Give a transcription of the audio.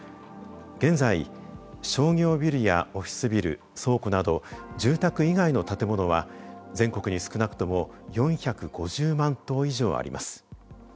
現在商業ビルやオフィスビル倉庫など住宅以外の建物は全国に少なくとも４５０万棟以上あります。